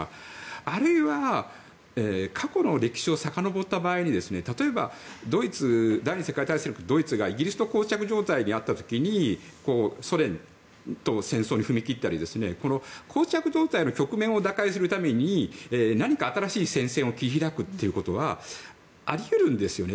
あるいは過去の歴史をさかのぼった場合に例えば第２次世界大戦のドイツがイギリスと膠着状態にあった時にソ連と戦争に踏み切ったり膠着状態の局面を打開するために何か新しい戦線を切り開くということはあり得るんですよね。